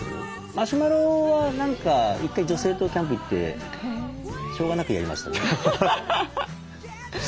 マシュマロは何か１回女性とキャンプ行ってしょうがなくやりましたね。